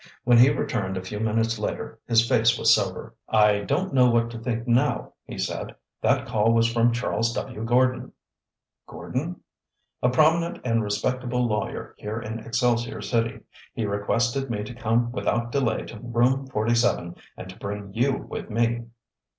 When he returned a few minutes later his face was sober. "I don't know what to think now," he said. "That call was from Charles W. Gordon." "Gordon?" "A prominent and respectable lawyer here in Excelsior City. He requested me to come without delay to Room 47 and to bring you with me."